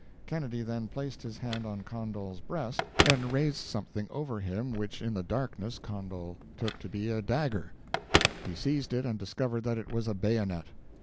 Kennedy then placed his hand on Condol's breast, and raised something over him which in the darkness Condol took to be a dagger; he seized it and discovered that it was a bayonet.